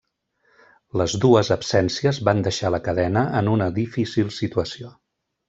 Les dues absències van deixar la cadena en una difícil situació.